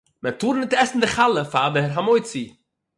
מען טאָר ניט עסן די חלה פֿאַר דער המוציא.